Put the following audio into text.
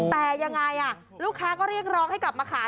แต่ยังไงลูกค้าก็เรียกร้องให้กลับมาขาย